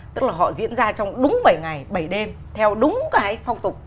tức là họ diễn ra trong đúng bảy ngày bảy đêm theo đúng cái phong tục